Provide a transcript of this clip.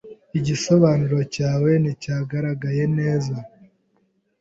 Igisobanuro cyawe nticyagaragaye neza.